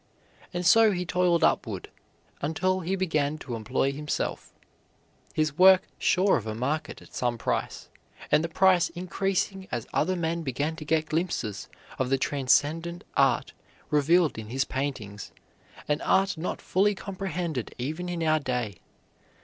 And so he toiled upward until he began to employ himself, his work sure of a market at some price, and the price increasing as other men began to get glimpses of the transcendent art revealed in his paintings, an art not fully comprehended even in our day.